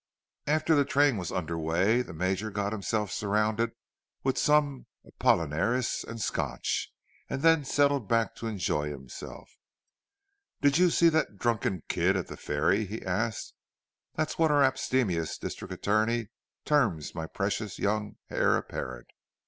After the train was under way, the Major got himself surrounded with some apollinaris and Scotch, and then settled back to enjoy himself. "Did you see the 'drunken kid' at the ferry?" he asked. "(That's what our abstemious district attorney terms my precious young heir apparent.)